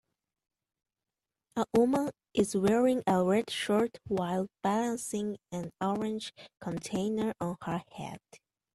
A woman is wearing a red shirt while balancing an orange container on her head.